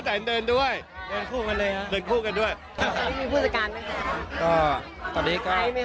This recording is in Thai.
ก็ตอนนี้ก็ใช่ครับก็ให้น้องไอ้